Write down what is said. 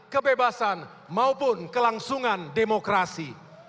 kebebasan maupun kelangsungan demokrasi